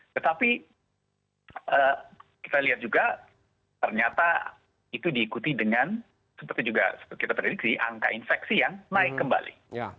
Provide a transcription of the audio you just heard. tetapi kita lihat juga ternyata itu diikuti dengan seperti juga kita prediksi angka infeksi yang naik kembali